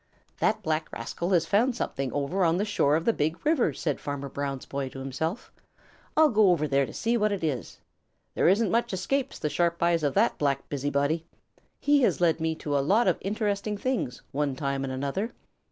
"That black rascal has found something over on the shore of the Big River," said Farmer Brown's boy to himself. "I'll go over there to see what it is. There isn't much escapes the sharp eyes of that black busybody. He has led me to a lot of interesting things, one time and another.